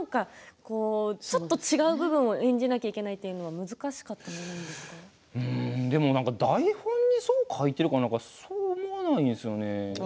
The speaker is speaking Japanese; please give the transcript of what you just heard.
ちょっと違う部分を演じなきゃいけないというのはでもなんか台本にそう書いてあるからしょうがないんですよね。